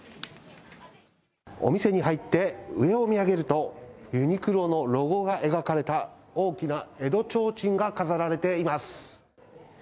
お店に入って上を見上げると、ユニクロのロゴが描かれた、大きな江戸ちょうちんが飾られています。